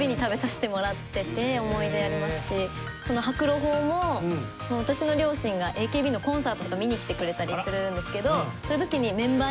思い出ありますし白鷺宝も私の両親がＡＫＢのコンサートとか観に来てくれたりするんですけど。